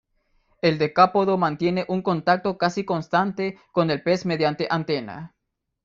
El decápodo mantiene un contacto casi constante con el pez mediante antena.